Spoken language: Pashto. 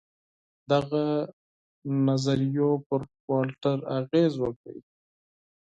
د هغه نظریو پر والټر اغېز وکړ.